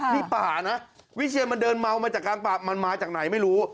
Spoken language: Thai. นี่ป่านะวิเชียนมันเดินเมามาจากกลางป่ามันมาจากไหนไม่รู้